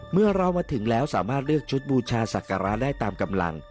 เมื่อเรามาถึงแล้วสามารถเลือกชุดบูชาศักระได้ตามกำลัง